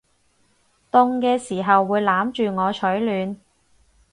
凍嘅時候會攬住我取暖